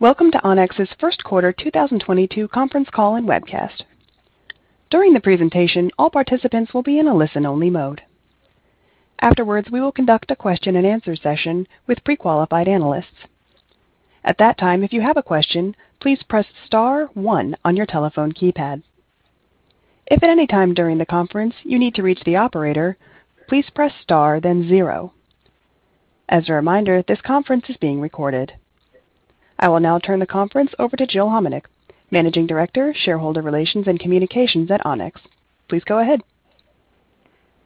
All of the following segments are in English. Welcome to Onex's Q1 2022 conference call and webcast. During the presentation, all participants will be in a listen-only mode. Afterwards, we will conduct a question-and-answer session with pre-qualified analysts. At that time, if you have a question, please press star one on your telephone keypad. If at any time during the conference you need to reach the operator, please press star, then zero. As a reminder, this conference is being recorded. I will now turn the conference over to Jill Homenuk, Managing Director, Shareholder Relations and Communications at Onex. Please go ahead.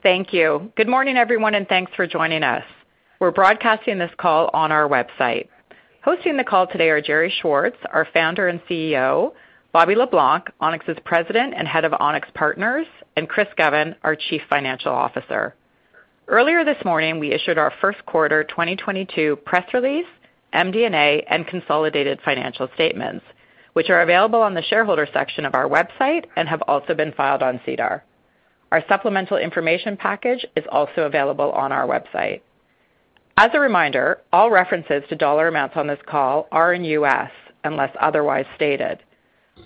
Thank you. Good morning, everyone, and thanks for joining us. We're broadcasting this call on our website. Hosting the call today are Gerry Schwartz, our founder and CEO, Bobby LeBlanc, Onex's President and Head of Onex Partners, and Chris Govan, our Chief Financial Officer. Earlier this morning, we issued our Q1 2022 press release, MD&A, and consolidated financial statements, which are available on the shareholder section of our website and have also been filed on SEDAR. Our supplemental information package is also available on our website. As a reminder, all references to dollar amounts on this call are in U.S., unless otherwise stated.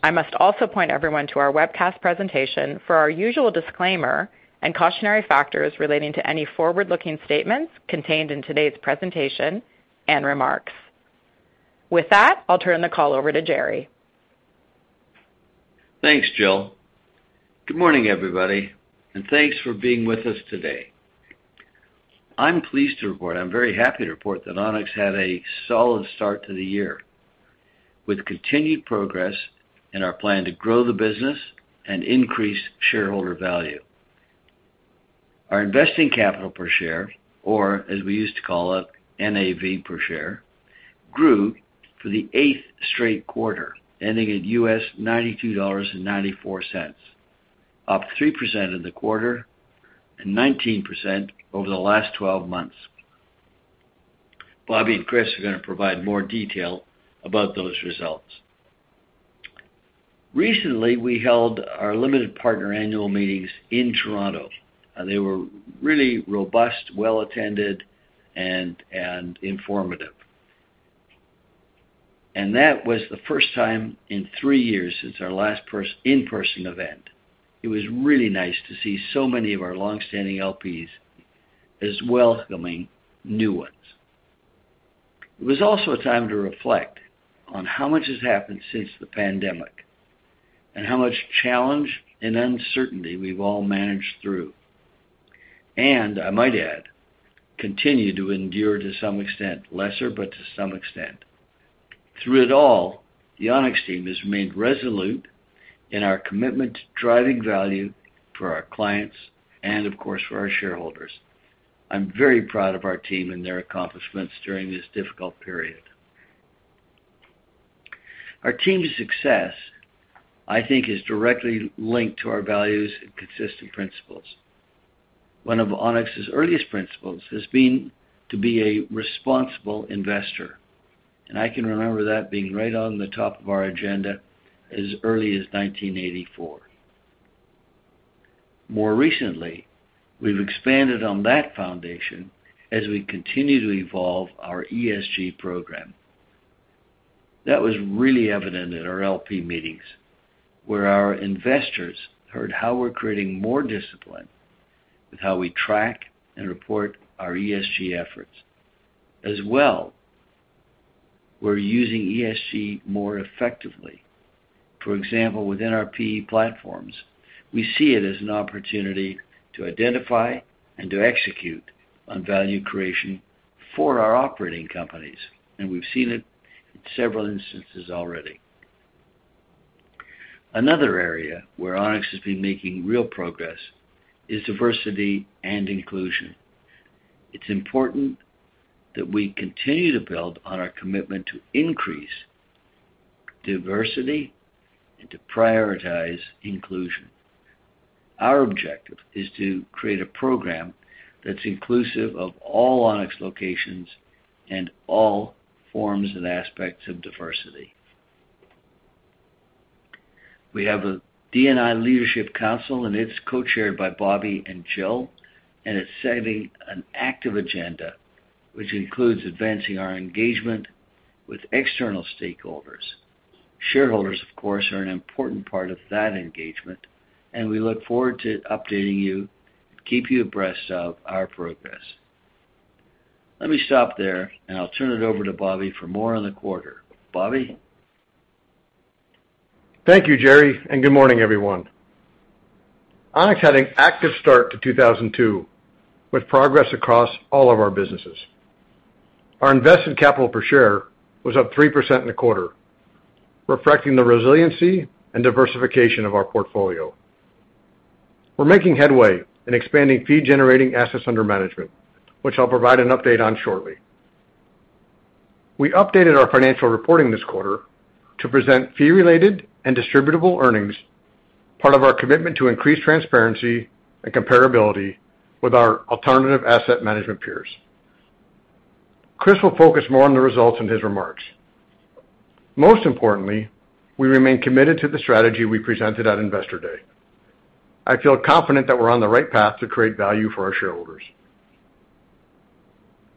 I must also point everyone to our webcast presentation for our usual disclaimer and cautionary factors relating to any forward-looking statements contained in today's presentation and remarks. With that, I'll turn the call over to Gerry. Thanks, Jill. Good morning, everybody, and thanks for being with us today. I'm pleased to report, I'm very happy to report that Onex had a solid start to the year, with continued progress in our plan to grow the business and increase shareholder value. Our investing capital per share, or as we used to call it, NAV per share, grew for the eighth straight quarter, ending at $92.94, up 3% in the quarter and 19% over the last 12 months. Bobby and Chris are going to provide more detail about those results. Recently, we held our limited partner annual meetings in Toronto. They were really robust, well-attended, and informative. That was the first time in three years since our last in-person event. It was really nice to see so many of our longstanding LPs and welcoming new ones. It was also a time to reflect on how much has happened since the pandemic and how much challenge and uncertainty we've all managed through, and I might add, continue to endure to some extent, lesser, but to some extent. Through it all, the Onex team has remained resolute in our commitment to driving value for our clients and of course, for our shareholders. I'm very proud of our team and their accomplishments during this difficult period. Our team's success, I think, is directly linked to our values and consistent principles. One of Onex's earliest principles has been to be a responsible investor, and I can remember that being right on the top of our agenda as early as 1984. More recently, we've expanded on that foundation as we continue to evolve our ESG program. That was really evident at our LP meetings, where our investors heard how we're creating more discipline with how we track and report our ESG efforts. As well, we're using ESG more effectively. For example, within our PE platforms, we see it as an opportunity to identify and to execute on value creation for our operating companies, and we've seen it in several instances already. Another area where Onex has been making real progress is diversity and inclusion. It's important that we continue to build on our commitment to increase diversity and to prioritize inclusion. Our objective is to create a program that's inclusive of all Onex locations and all forms and aspects of diversity. We have a D&I leadership council, and it's co-chaired by Bobby and Jill, and it's setting an active agenda, which includes advancing our engagement with external stakeholders. Shareholders, of course, are an important part of that engagement, and we look forward to updating you and keep you abreast of our progress. Let me stop there, and I'll turn it over to Bobby for more on the quarter. Bobby? Thank you, Gerry, and good morning, everyone. Onex had an active start to 2022 with progress across all of our businesses. Our invested capital per share was up 3% in the quarter, reflecting the resiliency and diversification of our portfolio. We're making headway in expanding fee-generating assets under management, which I'll provide an update on shortly. We updated our financial reporting this quarter to present fee-related and distributable earnings, part of our commitment to increase transparency and comparability with our alternative asset management peers. Chris will focus more on the results in his remarks. Most importantly, we remain committed to the strategy we presented at Investor Day. I feel confident that we're on the right path to create value for our shareholders.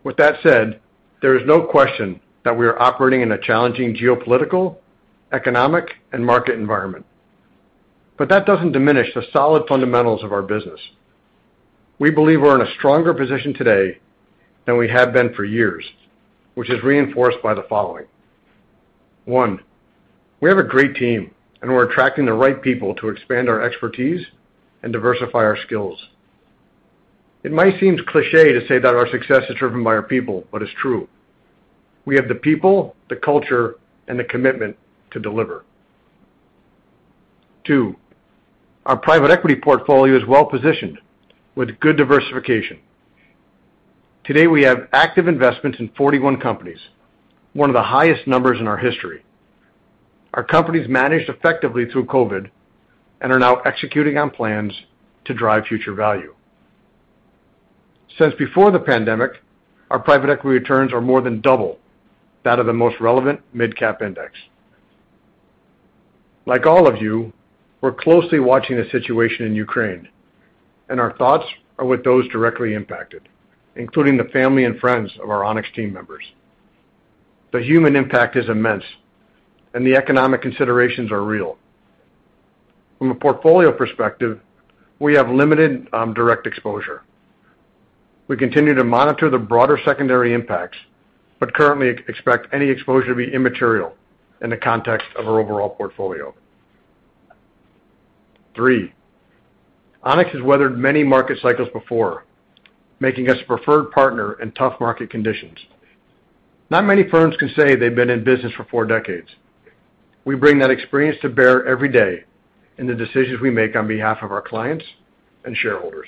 With that said, there is no question that we are operating in a challenging geopolitical, economic, and market environment. That doesn't diminish the solid fundamentals of our business. We believe we're in a stronger position today than we have been for years, which is reinforced by the following. One, we have a great team, and we're attracting the right people to expand our expertise and diversify our skills. It might seem cliché to say that our success is driven by our people, but it's true. We have the people, the culture, and the commitment to deliver. Two, our private equity portfolio is well-positioned with good diversification. Today, we have active investments in 41 companies, one of the highest numbers in our history. Our companies managed effectively through COVID and are now executing on plans to drive future value. Since before the pandemic, our private equity returns are more than double that of the most relevant midcap index. Like all of you, we're closely watching the situation in Ukraine, and our thoughts are with those directly impacted, including the family and friends of our Onex team members. The human impact is immense, and the economic considerations are real. From a portfolio perspective, we have limited direct exposure. We continue to monitor the broader secondary impacts, but currently expect any exposure to be immaterial in the context of our overall portfolio. Three, Onex has weathered many market cycles before, making us a preferred partner in tough market conditions. Not many firms can say they've been in business for four decades. We bring that experience to bear every day in the decisions we make on behalf of our clients and shareholders.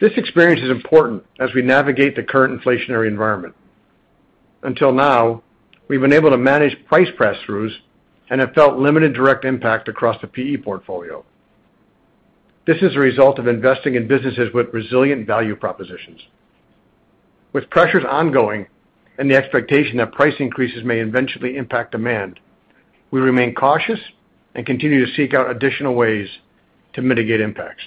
This experience is important as we navigate the current inflationary environment. Until now, we've been able to manage price pass-throughs and have felt limited direct impact across the PE portfolio. This is a result of investing in businesses with resilient value propositions. With pressures ongoing and the expectation that price increases may eventually impact demand, we remain cautious and continue to seek out additional ways to mitigate impacts.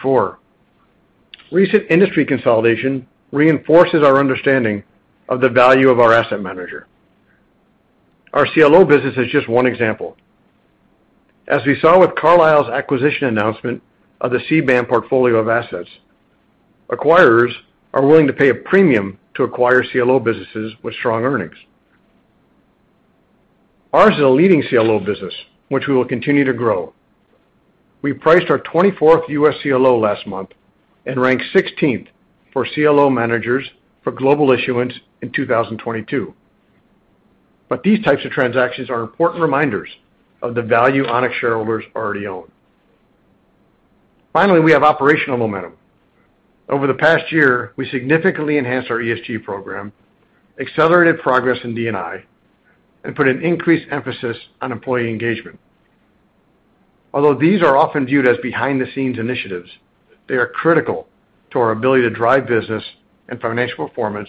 Four, recent industry consolidation reinforces our understanding of the value of our asset manager. Our CLO business is just one example. As we saw with Carlyle's acquisition announcement of the CBAM portfolio of assets, acquirers are willing to pay a premium to acquire CLO businesses with strong earnings. Ours is a leading CLO business, which we will continue to grow. We priced our 24th US CLO last month and ranked 16th for CLO managers for global issuance in 2022. These types of transactions are important reminders of the value Onex shareholders already own. Finally, we have operational momentum. Over the past year, we significantly enhanced our ESG program, accelerated progress in D&I, and put an increased emphasis on employee engagement. Although these are often viewed as behind-the-scenes initiatives, they are critical to our ability to drive business and financial performance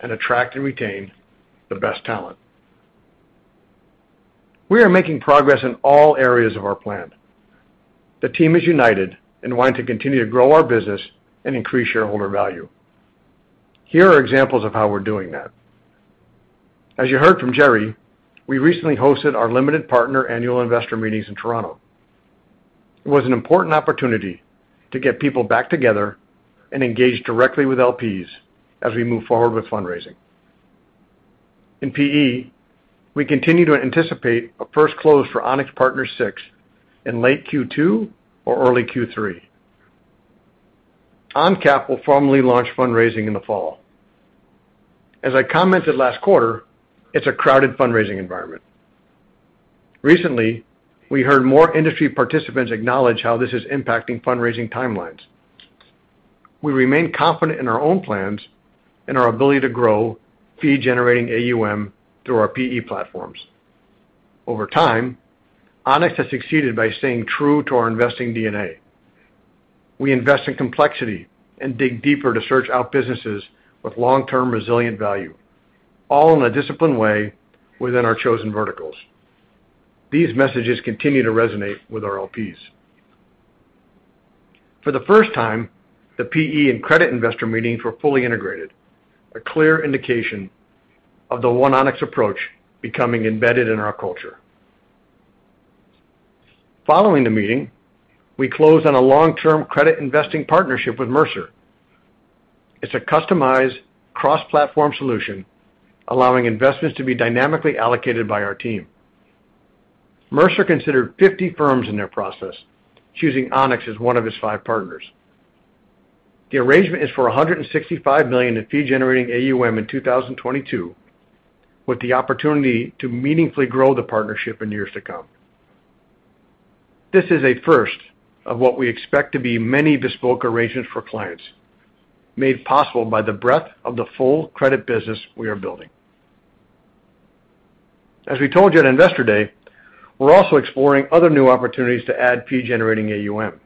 and attract and retain the best talent. We are making progress in all areas of our plan. The team is united and wanting to continue to grow our business and increase shareholder value. Here are examples of how we're doing that. As you heard from Gerry, we recently hosted our limited partner annual investor meetings in Toronto. It was an important opportunity to get people back together and engage directly with LPs as we move forward with fundraising. In PE, we continue to anticipate a first close for Onex Partners VI in late Q2 or early Q3. ONCAP will formally launch fundraising in the fall. As I commented last quarter, it's a crowded fundraising environment. Recently, we heard more industry participants acknowledge how this is impacting fundraising timelines. We remain confident in our own plans and our ability to grow fee-generating AUM through our PE platforms. Over time, Onex has succeeded by staying true to our investing DNA. We invest in complexity and dig deeper to search out businesses with long-term resilient value, all in a disciplined way within our chosen verticals. These messages continue to resonate with our LPs. For the first time, the PE and credit investor meetings were fully integrated, a clear indication of the one Onex approach becoming embedded in our culture. Following the meeting, we closed on a long-term credit investing partnership with Mercer. It's a customized cross-platform solution allowing investments to be dynamically allocated by our team. Mercer considered 50 firms in their process, choosing Onex as one of its five partners. The arrangement is for $165 million in fee-generating AUM in 2022, with the opportunity to meaningfully grow the partnership in years to come. This is a first of what we expect to be many bespoke arrangements for clients, made possible by the breadth of the full credit business we are building. As we told you at Investor Day, we're also exploring other new opportunities to add fee-generating AUM.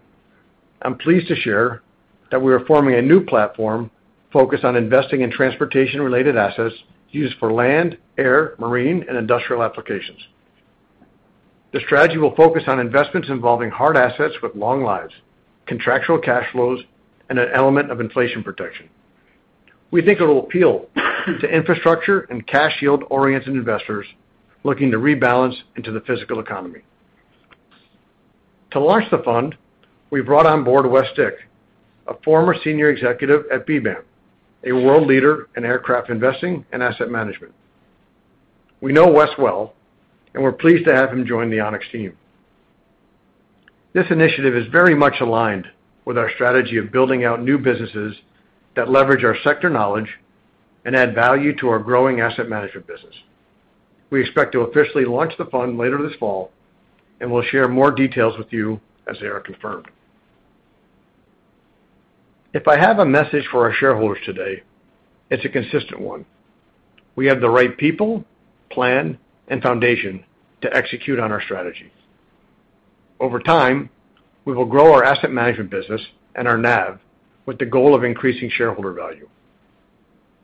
I'm pleased to share that we are forming a new platform focused on investing in transportation-related assets used for land, air, marine, and industrial applications. The strategy will focus on investments involving hard assets with long lives, contractual cash flows, and an element of inflation protection. We think it will appeal to infrastructure and cash yield-oriented investors looking to rebalance into the physical economy. To launch the fund, we brought on board Wes Dick, a former senior executive at BBAM, a world leader in aircraft investing and asset management. We know Wes well, and we're pleased to have him join the Onex team. This initiative is very much aligned with our strategy of building out new businesses that leverage our sector knowledge and add value to our growing asset management business. We expect to officially launch the fund later this fall, and we'll share more details with you as they are confirmed. If I have a message for our shareholders today, it's a consistent one. We have the right people, plan, and foundation to execute on our strategy. Over time, we will grow our asset management business and our NAV with the goal of increasing shareholder value.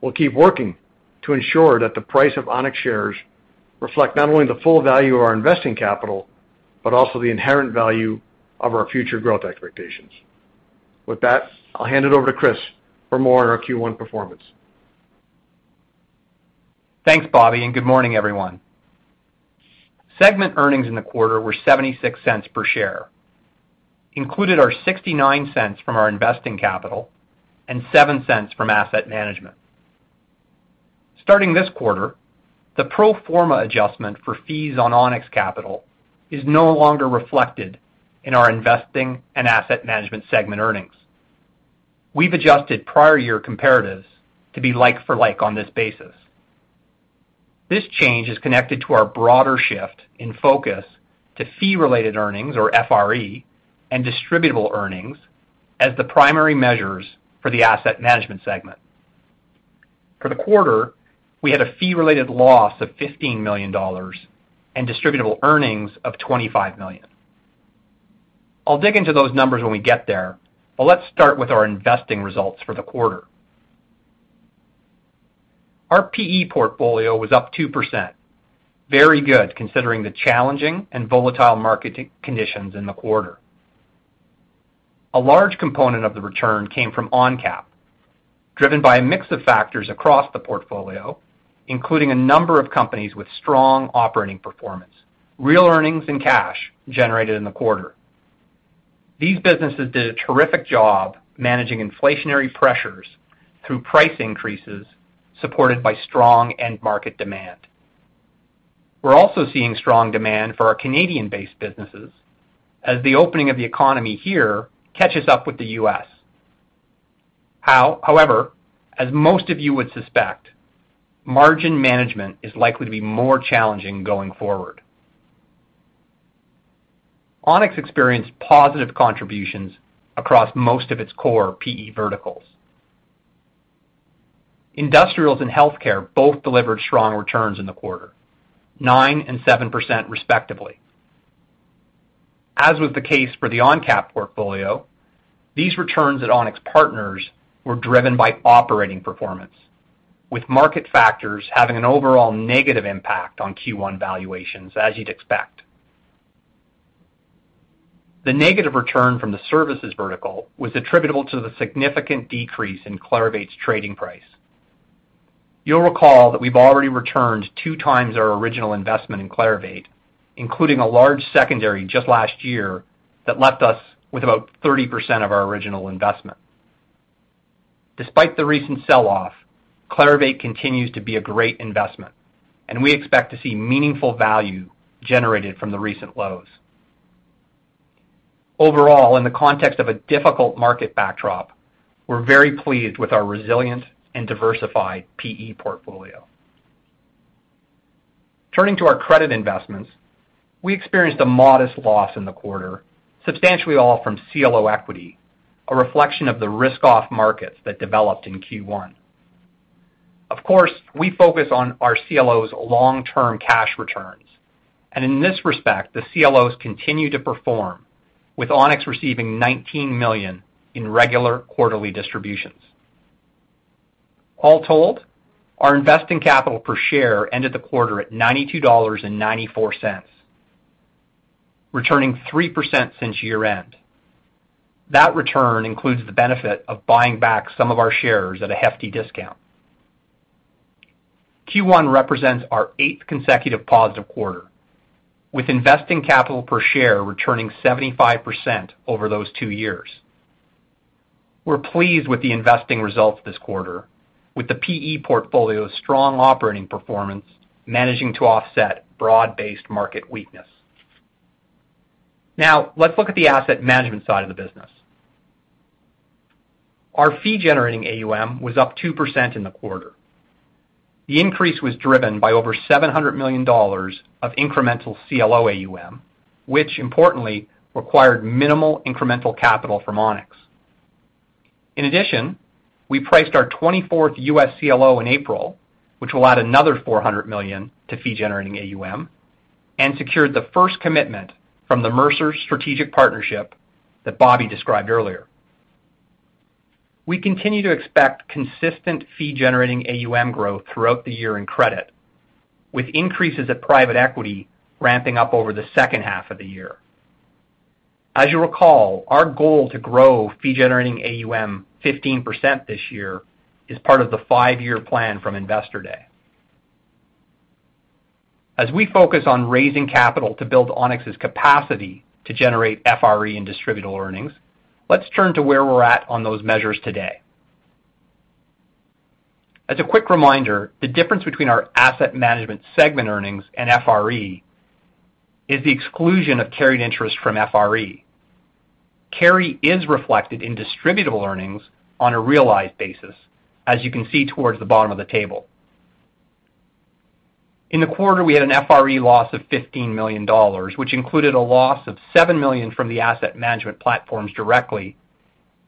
We'll keep working to ensure that the price of Onex shares reflect not only the full value of our investing capital, but also the inherent value of our future growth expectations. With that, I'll hand it over to Chris for more on our Q1 performance. Thanks, Bobby, and good morning, everyone. Segment earnings in the quarter were $0.76 per share, included our $0.69 from our investing capital and $0.07 from asset management. Starting this quarter, the pro forma adjustment for fees on Onex capital is no longer reflected in our investing and asset management segment earnings. We've adjusted prior year comparatives to be like for like on this basis. This change is connected to our broader shift in focus to fee-related earnings, or FRE, and distributable earnings as the primary measures for the asset management segment. For the quarter, we had a fee-related loss of $15 million and distributable earnings of $25 million. I'll dig into those numbers when we get there, but let's start with our investing results for the quarter. Our PE portfolio was up 2%. Very good, considering the challenging and volatile market conditions in the quarter. A large component of the return came from ONCAP, driven by a mix of factors across the portfolio, including a number of companies with strong operating performance, real earnings and cash generated in the quarter. These businesses did a terrific job managing inflationary pressures through price increases supported by strong end market demand. We're also seeing strong demand for our Canadian-based businesses as the opening of the economy here catches up with the US. However, as most of you would suspect, margin management is likely to be more challenging going forward. Onex experienced positive contributions across most of its core PE verticals. Industrials and healthcare both delivered strong returns in the quarter, 9% and 7% respectively. As was the case for the ONCAP portfolio, these returns at Onex Partners were driven by operating performance, with market factors having an overall negative impact on Q1 valuations, as you'd expect. The negative return from the services vertical was attributable to the significant decrease in Clarivate's trading price. You'll recall that we've already returned 2x our original investment in Clarivate, including a large secondary just last year that left us with about 30% of our original investment. Despite the recent sell-off, Clarivate continues to be a great investment, and we expect to see meaningful value generated from the recent lows. Overall, in the context of a difficult market backdrop, we're very pleased with our resilient and diversified PE portfolio. Turning to our credit investments, we experienced a modest loss in the quarter, substantially all from CLO equity, a reflection of the risk-off markets that developed in Q1. Of course, we focus on our CLOs long-term cash returns, and in this respect, the CLOs continue to perform, with Onex receiving $19 million in regular quarterly distributions. All told, our investing capital per share ended the quarter at $92.94, returning 3% since year-end. That return includes the benefit of buying back some of our shares at a hefty discount. Q1 represents our eighth consecutive positive quarter, with investing capital per share returning 75% over those two years. We're pleased with the investing results this quarter, with the PE portfolio's strong operating performance managing to offset broad-based market weakness. Now let's look at the asset management side of the business. Our fee-generating AUM was up 2% in the quarter. The increase was driven by over $700 million of incremental CLO AUM, which importantly required minimal incremental capital from Onex. In addition, we priced our 24th U.S. CLO in April, which will add another $400 million to fee-generating AUM, and secured the first commitment from the Mercer strategic partnership that Bobby described earlier. We continue to expect consistent fee generating AUM growth throughout the year in credit, with increases of private equity ramping up over the second half of the year. As you recall, our goal to grow fee generating AUM 15% this year is part of the five-year plan from Investor Day. As we focus on raising capital to build Onex's capacity to generate FRE and distributable earnings, let's turn to where we're at on those measures today. As a quick reminder, the difference between our asset management segment earnings and FRE is the exclusion of carried interest from FRE. Carry is reflected in distributable earnings on a realized basis, as you can see towards the bottom of the table. In the quarter, we had an FRE loss of $15 million, which included a loss of $7 million from the asset management platforms directly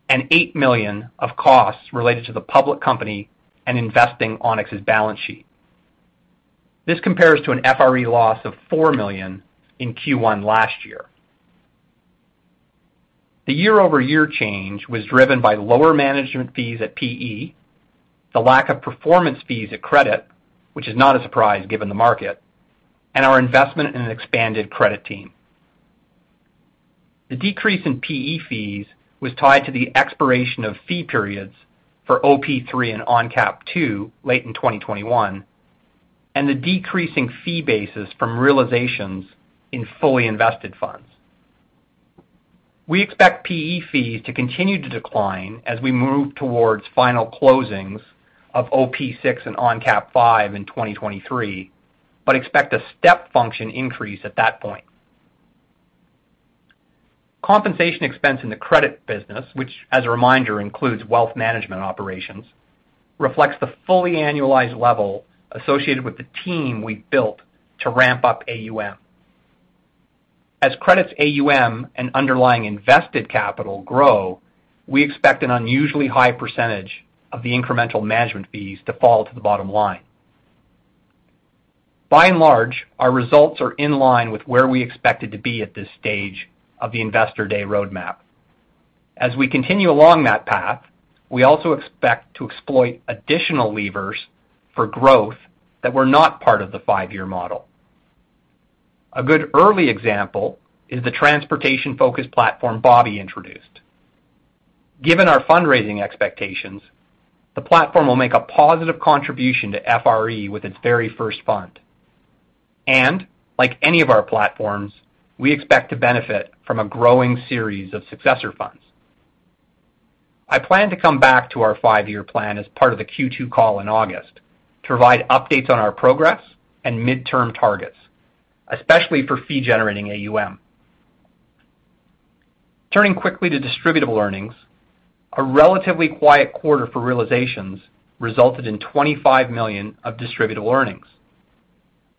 and $8 million of costs related to the public company and investing Onex's balance sheet. This compares to an FRE loss of $4 million in Q1 last year. The year-over-year change was driven by lower management fees at PE, the lack of performance fees at credit, which is not a surprise given the market, and our investment in an expanded credit team. The decrease in PE fees was tied to the expiration of fee periods for OP III and ONCAP II late in 2021, and the decreasing fee basis from realizations in fully invested funds. We expect PE fees to continue to decline as we move towards final closings of OP6 and ONCAP V in 2023, but expect a step function increase at that point. Compensation expense in the credit business, which as a reminder includes wealth management operations, reflects the fully annualized level associated with the team we've built to ramp up AUM. As credit AUM and underlying invested capital grow, we expect an unusually high percentage of the incremental management fees to fall to the bottom line. By and large, our results are in line with where we expected to be at this stage of the Investor Day roadmap. As we continue along that path, we also expect to exploit additional levers for growth that were not part of the five-year model. A good early example is the transportation-focused platform Bobby introduced. Given our fundraising expectations, the platform will make a positive contribution to FRE with its very first fund. Like any of our platforms, we expect to benefit from a growing series of successor funds. I plan to come back to our five-year plan as part of the Q2 call in August to provide updates on our progress and midterm targets, especially for fee generating AUM. Turning quickly to distributable earnings, a relatively quiet quarter for realizations resulted in $25 million of distributable earnings.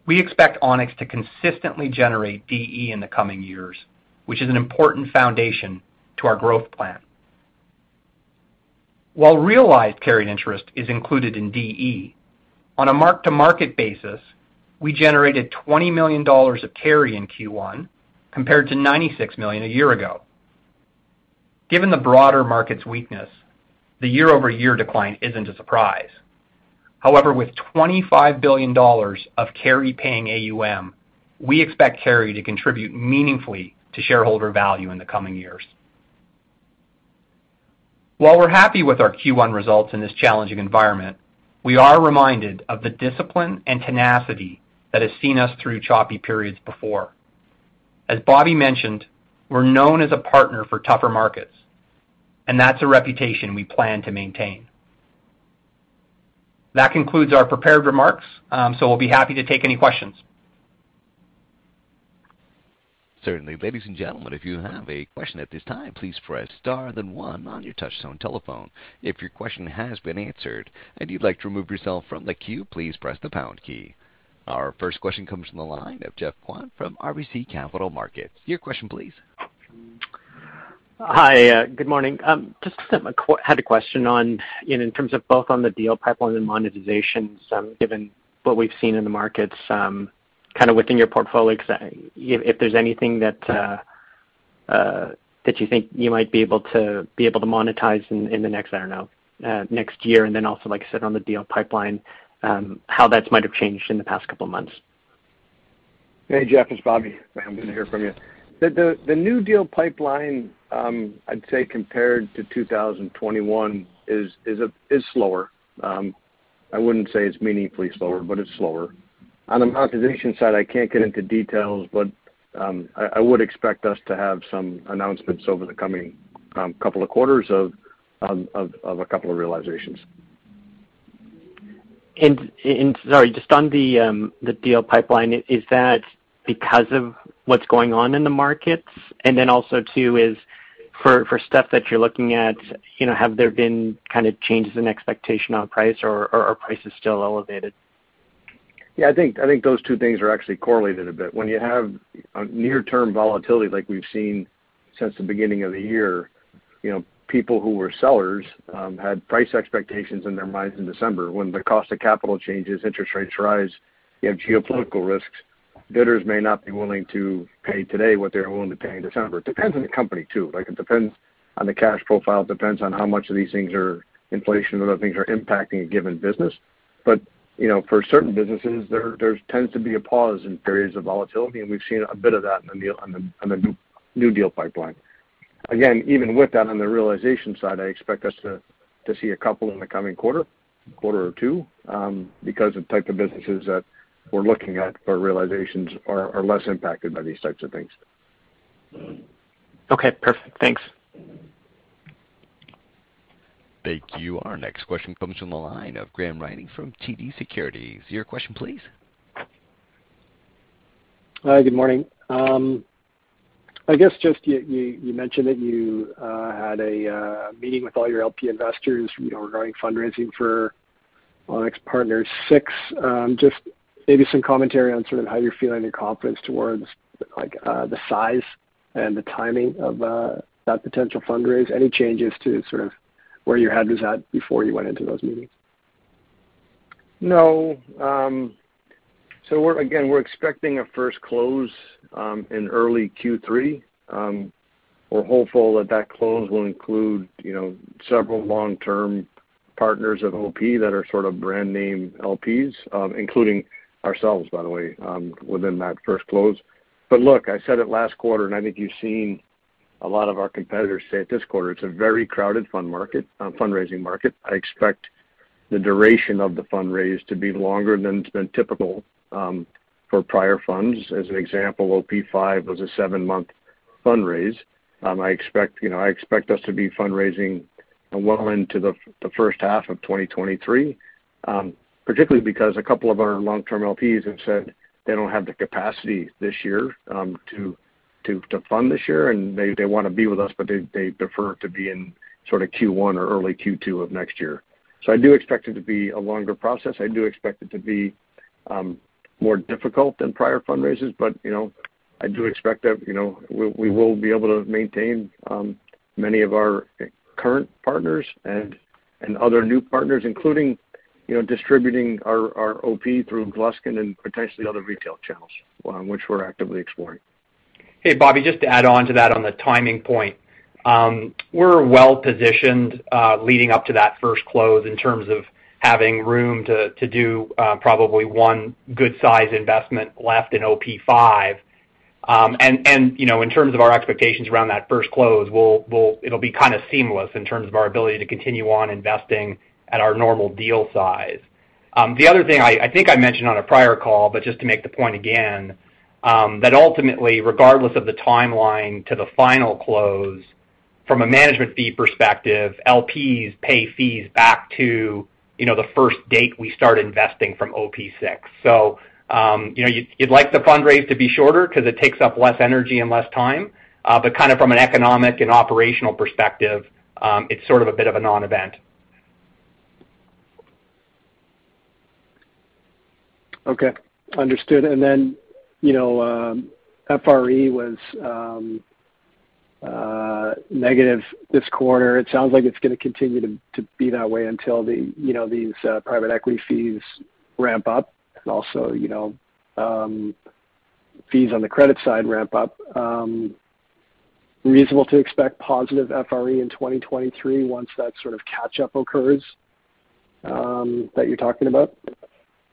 We expect Onex to consistently generate DE in the coming years, which is an important foundation to our growth plan. While realized carried interest is included in DE, on a mark-to-market basis, we generated $20 million of carry in Q1 compared to $96 million a year ago. Given the broader market's weakness, the year-over-year decline isn't a surprise. However, with $25 billion of carry paying AUM, we expect carry to contribute meaningfully to shareholder value in the coming years. While we're happy with our Q1 results in this challenging environment, we are reminded of the discipline and tenacity that has seen us through choppy periods before. As Bobby mentioned, we're known as a partner for tougher markets, and that's a reputation we plan to maintain. That concludes our prepared remarks, so we'll be happy to take any questions. Certainly. Ladies and gentlemen, if you have a question at this time, please press Star then one on your touch tone telephone. If your question has been answered and you'd like to remove yourself from the queue, please press the pound key. Our first question comes from the line of Geoffrey Kwan from RBC Capital Markets. Your question please. Hi, good morning. Just had a question on, you know, in terms of both on the deal pipeline and monetization, given what we've seen in the markets, kind of within your portfolio, cause, you know, if there's anything that you think you might be able to monetize in the next, I don't know, next year, and then also like I said on the deal pipeline, how that might have changed in the past couple of months. Hey, Jeff, it's Bobby. I'm glad to hear from you. The new deal pipeline, I'd say compared to 2021 is slower. I wouldn't say it's meaningfully slower, but it's slower. On the monetization side, I can't get into details, but I would expect us to have some announcements over the coming couple of quarters of a couple of realizations. Sorry, just on the deal pipeline, is that because of what's going on in the markets? Then also too, for stuff that you're looking at, you know, have there been kind of changes in expectation on price or are prices still elevated? Yeah, I think those two things are actually correlated a bit. When you have a near-term volatility like we've seen since the beginning of the year, you know, people who were sellers had price expectations in their minds in December. When the cost of capital changes, interest rates rise, you have geopolitical risks. Bidders may not be willing to pay today what they're willing to pay in December. Depends on the company too. Like it depends on the cash profile, it depends on how much of these things are inflation and other things are impacting a given business. You know, for certain businesses, there tends to be a pause in periods of volatility, and we've seen a bit of that in the deal on the new deal pipeline. Again, even with that on the realization side, I expect us to see a couple in the coming quarter, a quarter or two, because the type of businesses that we're looking at for realizations are less impacted by these types of things. Okay, perfect. Thanks. Thank you. Our next question comes from the line of Graham Ryding from TD Securities. Your question please. Hi, good morning. I guess just you mentioned that you had a meeting with all your LP investors, you know, regarding fundraising for Onex Partners VI. Just maybe some commentary on sort of how you're feeling your confidence towards like the size and the timing of that potential fundraise. Any changes to sort of where your head was at before you went into those meetings? No. We're expecting a first close in early Q3. We're hopeful that that close will include, you know, several long-term partners of OP that are sort of brand name LPs, including ourselves, by the way, within that first close. Look, I said it last quarter, and I think you've seen a lot of our competitors say it this quarter. It's a very crowded fund market, fundraising market. I expect the duration of the fundraise to be longer than it's been typical for prior funds. As an example, OP-Five was a seven-month fundraise. I expect, you know, I expect us to be fundraising well into the H1 of 2023, particularly because a couple of our long-term LPs have said they don't have the capacity this year to fund this year, and they want to be with us, but they prefer to be in sort of Q1 or early Q2 of next year. I do expect it to be a longer process. I do expect it to be more difficult than prior fundraisers. You know, I do expect that, you know, we will be able to maintain many of our current partners and other new partners, including, you know, distributing our OP through Gluskin and potentially other retail channels on which we're actively exploring. Hey, Bobby, just to add on to that on the timing point. We're well positioned, leading up to that first close in terms of having room to do probably one good size investment left in OP-Five. You know, in terms of our expectations around that first close, we'll, it'll be kind of seamless in terms of our ability to continue on investing at our normal deal size. The other thing I think I mentioned on a prior call, but just to make the point again, that ultimately, regardless of the timeline to the final close, from a management fee perspective, LPs pay fees back to, you know, the first date we start investing from OP-Six. You know, you'd like the fundraise to be shorter 'cause it takes up less energy and less time. Kind of from an economic and operational perspective, it's sort of a bit of a non-event. Okay, understood. FRE was negative this quarter. It sounds like it's gonna continue to be that way until these private equity fees ramp up and also fees on the credit side ramp up. Reasonable to expect positive FRE in 2023 once that sort of catch up occurs, that you're talking about?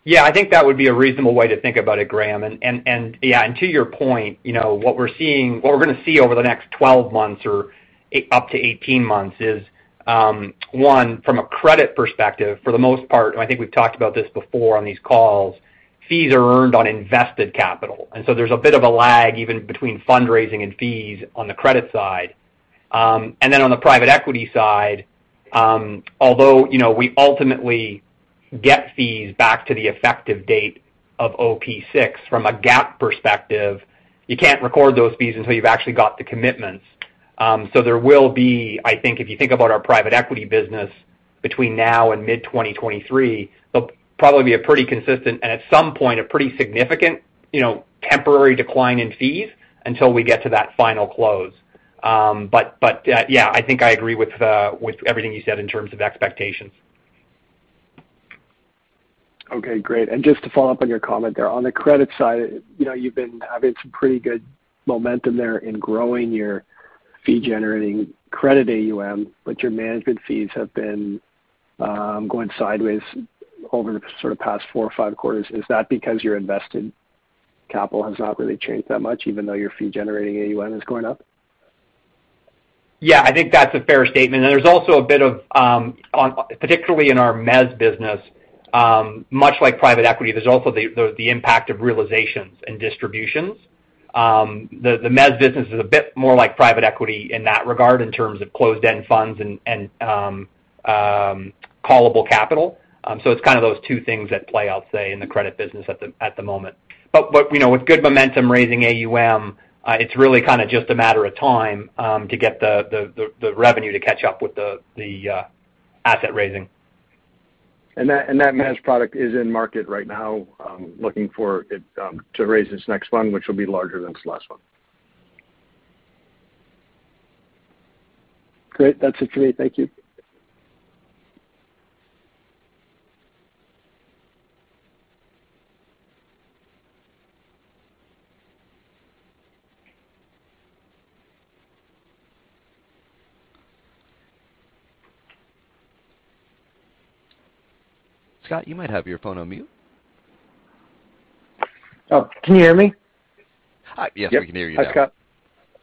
Yeah, I think that would be a reasonable way to think about it, Graham. To your point, you know, what we're gonna see over the next 12 months or up to 18 months is, one, from a credit perspective, for the most part, and I think we've talked about this before on these calls, fees are earned on invested capital, and so there's a bit of a lag even between fundraising and fees on the credit side. Then on the private equity side, although, you know, we ultimately get fees back to the effective date of OP-Six from a GAAP perspective, you can't record those fees until you've actually got the commitments. There will be, I think if you think about our private equity business between now and mid-2023, there'll probably be a pretty consistent and at some point a pretty significant, you know, temporary decline in fees until we get to that final close. But yeah, I think I agree with everything you said in terms of expectations. Okay, great. Just to follow up on your comment there. On the credit side, you know, you've been having some pretty good momentum there in growing your fee generating credit AUM, but your management fees have been going sideways over the sort of past four or five quarters. Is that because your invested capital has not really changed that much even though your fee generating AUM is going up? Yeah, I think that's a fair statement. There's also, particularly in our MEZ business, much like private equity, there's also the impact of realizations and distributions. The MEZ business is a bit more like private equity in that regard in terms of closed-end funds and callable capital. It's kind of those two things at play, I'll say, in the credit business at the moment. You know, with good momentum raising AUM, it's really kind of just a matter of time to get the revenue to catch up with the asset raising. That MEZ product is in market right now, looking for it, to raise its next fund, which will be larger than its last one? Great. That's it for me. Thank you. Scott, you might have your phone on mute. Oh, can you hear me? Yes, we can hear you now. Yep.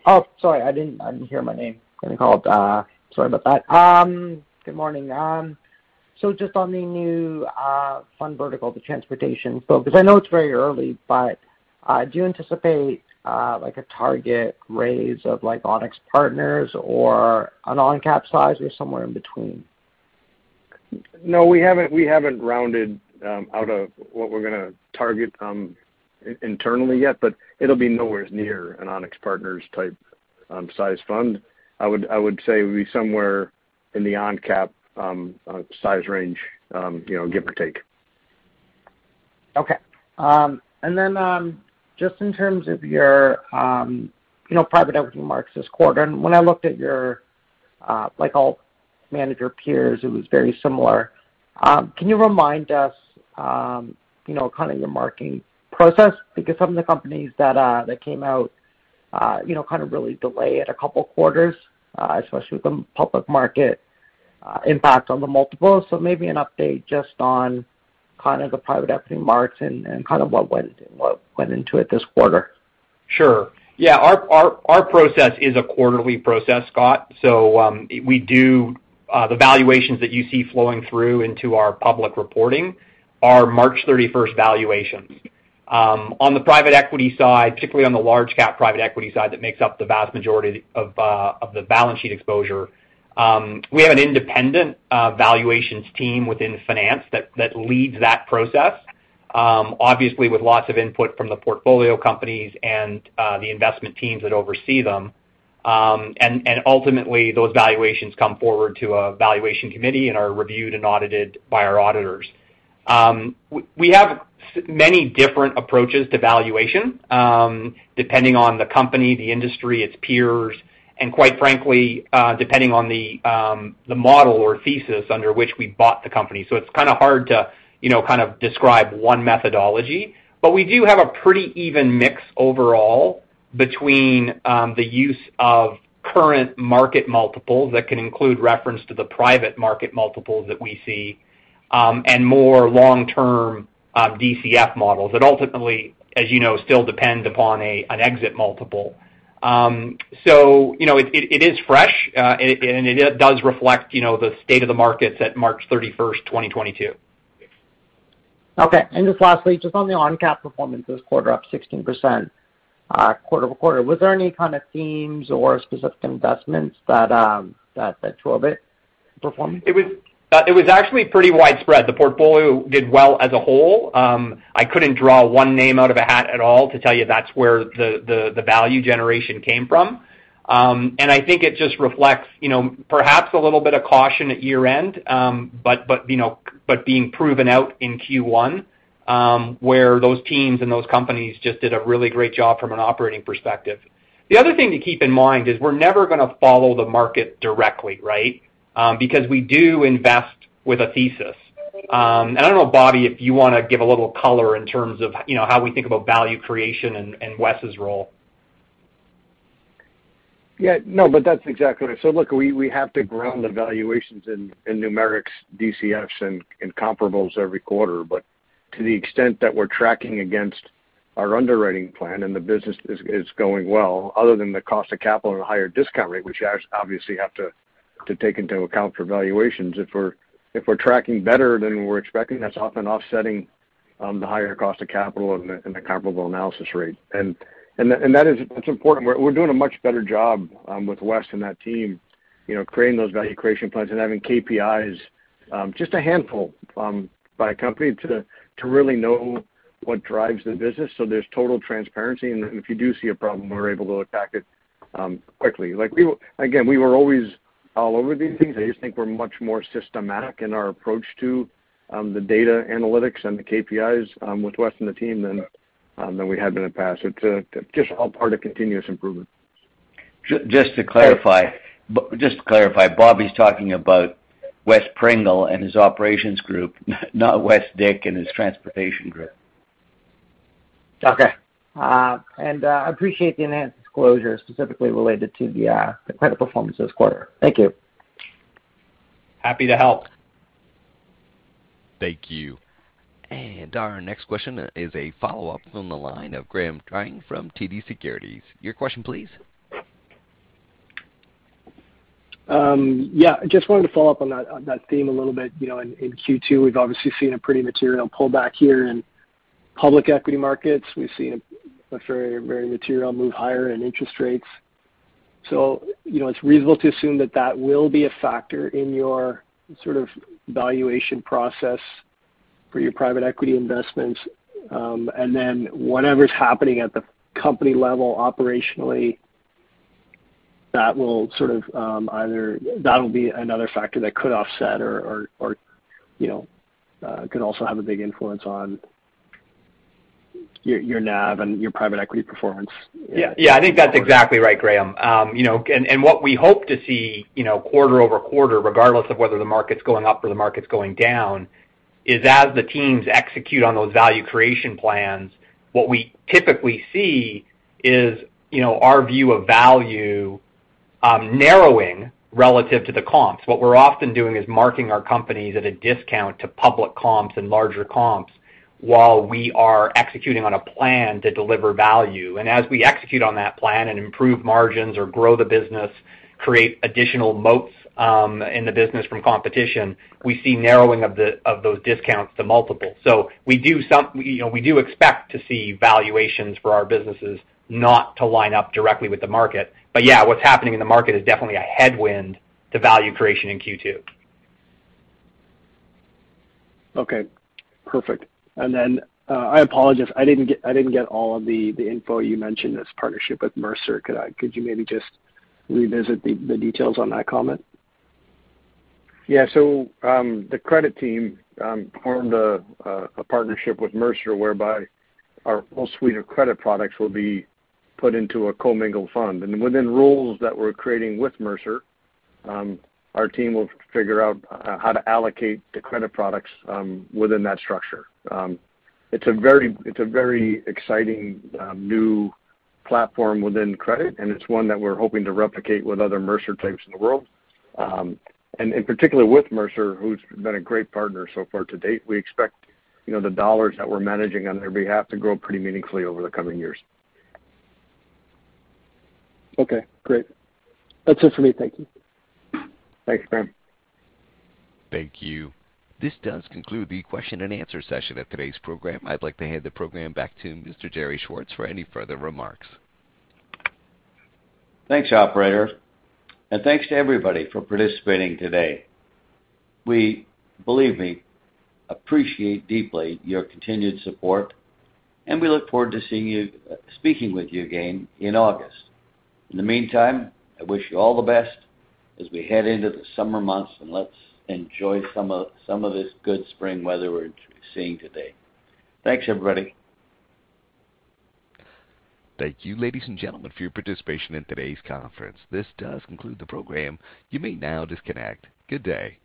Hi, Scott. Sorry, I didn't hear my name getting called. Sorry about that. Good morning. Just on the new fund vertical, the transportation focus, I know it's very early, but do you anticipate like a target raise of like Onex Partners or an ONCAP size or somewhere in between? No, we haven't rounded out of what we're gonna target internally yet, but it'll be nowhere near an Onex Partners type size fund. I would say it would be somewhere in the ONCAP size range, you know, give or take. Just in terms of your, you know, private equity marks this quarter, and when I looked at your, like, all manager peers, it was very similar. Can you remind us, you know, kind of your marking process because some of the companies that came out, you know, kind of really delayed a couple quarters, especially with the public market impact on the multiples. Maybe an update just on kind of the private equity marks and kind of what went into it this quarter. Sure. Yeah. Our process is a quarterly process, Scott. The valuations that you see flowing through into our public reporting are March 31st valuations. On the private equity side, particularly on the large cap private equity side that makes up the vast majority of the balance sheet exposure, we have an independent valuations team within finance that leads that process, obviously with lots of input from the portfolio companies and the investment teams that oversee them. Ultimately, those valuations come forward to a valuation committee and are reviewed and audited by our auditors. We have many different approaches to valuation, depending on the company, the industry, its peers, and quite frankly, depending on the model or thesis under which we bought the company. It's kinda hard to, you know, kind of describe one methodology. We do have a pretty even mix overall between the use of current market multiples that can include reference to the private market multiples that we see and more long-term DCF models that ultimately, as you know, still depend upon an exit multiple. You know, it is fresh and it does reflect, you know, the state of the markets at March 31st, 2022. Okay. Just lastly, just on the ONCAP performance this quarter, up 16%, quarter-over-quarter, was there any kind of themes or specific investments that drove it, the performance? It was actually pretty widespread. The portfolio did well as a whole. I couldn't draw one name out of a hat at all to tell you that's where the value generation came from. I think it just reflects, you know, perhaps a little bit of caution at year-end, but you know, being proven out in Q1, where those teams and those companies just did a really great job from an operating perspective. The other thing to keep in mind is we're never gonna follow the market directly, right? Because we do invest with a thesis. I don't know, Bobby, if you wanna give a little color in terms of, you know, how we think about value creation and Wes' role. Yeah. No, but that's exactly right. Look, we have to ground the valuations in numerics, DCFs, and comparables every quarter. To the extent that we're tracking against our underwriting plan and the business is going well, other than the cost of capital and a higher discount rate, which you obviously have to take into account for valuations, if we're tracking better than we're expecting, that's often offsetting the higher cost of capital and the comparable analysis rate. That is important. We're doing a much better job with Wes and that team, you know, creating those value creation plans and having KPIs, just a handful, by a company to really know what drives the business so there's total transparency. If you do see a problem, we're able to attack it quickly. Like again, we were always all over these things. I just think we're much more systematic in our approach to the data analytics and the KPIs with Wes and the team than we had been in the past. It's just all part of continuous improvement. Just to clarify, Bobby's talking about Wes Pringle and his operations group, not Wes Dick and his transportation group. Okay. I appreciate the enhanced disclosure specifically related to the credit performance this quarter. Thank you. Happy to help. Thank you. Our next question is a follow-up from the line of Graham Ryding from TD Securities. Your question please. Yeah, just wanted to follow up on that, on that theme a little bit. You know, in Q2, we've obviously seen a pretty material pullback here in public equity markets. We've seen a very material move higher in interest rates. You know, it's reasonable to assume that that will be a factor in your sort of valuation process for your private equity investments. Whatever's happening at the company level operationally, that'll be another factor that could offset or, you know, could also have a big influence on your NAV and your private equity performance. Yeah. Yeah. I think that's exactly right, Graham. You know, and what we hope to see, you know, quarter-over-quarter, regardless of whether the market's going up or the market's going down, is as the teams execute on those value creation plans, what we typically see is, you know, our view of value narrowing relative to the comps. What we're often doing is marking our companies at a discount to public comps and larger comps while we are executing on a plan to deliver value. As we execute on that plan and improve margins or grow the business, create additional moats in the business from competition, we see narrowing of those discounts to multiple. You know, we do expect to see valuations for our businesses not to line up directly with the market. Yeah, what's happening in the market is definitely a headwind to value creation in Q2. Okay, perfect. I apologize, I didn't get all of the info you mentioned, this partnership with Mercer. Could you maybe just revisit the details on that comment? Yeah. The credit team formed a partnership with Mercer whereby our whole suite of credit products will be put into a commingled fund. Within roles that we're creating with Mercer, our team will figure out how to allocate the credit products within that structure. It's a very exciting new platform within credit, and it's one that we're hoping to replicate with other Mercer types in the world. In particular with Mercer, who's been a great partner so far to date. We expect, you know, the dollars that we're managing on their behalf to grow pretty meaningfully over the coming years. Okay, great. That's it for me. Thank you. Thanks, Graham. Thank you. This does conclude the question and answer session of today's program. I'd like to hand the program back to Mr. Gerry Schwartz for any further remarks. Thanks, operator, and thanks to everybody for participating today. We, believe me, appreciate deeply your continued support, and we look forward to seeing you speaking with you again in August. In the meantime, I wish you all the best as we head into the summer months, and let's enjoy some of this good spring weather we're seeing today. Thanks, everybody. Thank you, ladies and gentlemen, for your participation in today's conference. This does conclude the program. You may now disconnect. Good day.